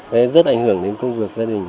nó rất ảnh hưởng đến công việc gia đình